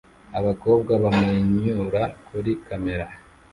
Abakobwa bamwenyura kuri kamera